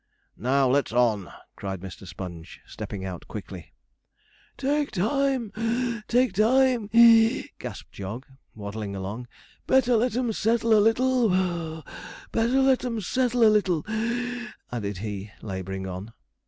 'Now, let's on,' cried Mr. Sponge, stepping out quickly. 'Take time (puff), take time (wheeze),' gasped Jog, waddling along; 'better let 'em settle a little (puff). Better let 'em settle a little,' added he, labouring on.